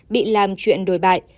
bị làm chuyện đổi bại